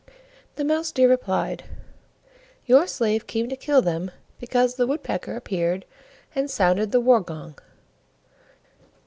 The Mouse deer replied, "Your slave came to kill them because the Woodpecker appeared and sounded the War gong.